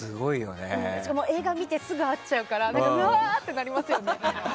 しかも、映画を見てすぐに会っちゃうからうわあってなっちゃいますよね。